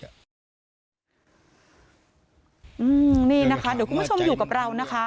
อืมนี่นะคะเดี๋ยวคุณผู้ชมอยู่กับเรานะคะ